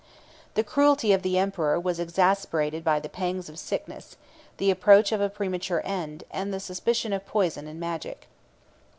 7 The cruelty of the emperor was exasperated by the pangs of sickness, the approach of a premature end, and the suspicion of poison and magic.